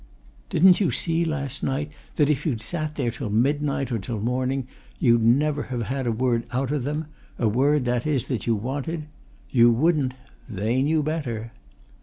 Didn't you see last night that if you'd sat there till midnight or till morning you'd never have had a word out of them a word, that is, that you wanted? You wouldn't! they knew better!"